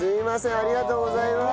ありがとうございます。